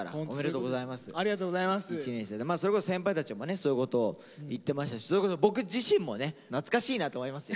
そういうことを言ってましたしそれこそ僕自身もね懐かしいなと思いますよ。